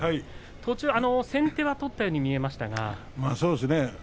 途中先手を取ったように見えましたね。